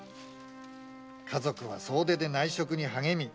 家族は総出で内職に励み